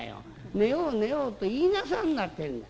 『寝よう寝よう』と言いなさんなってんだ。